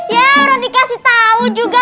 ya orang dikasih tau juga